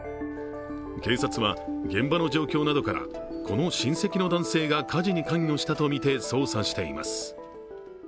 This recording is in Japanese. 警察は、現場の状況などからこの親戚の男性が火事に関与したとみて捜査しています。